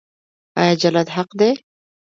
آیا جنت حق دی؟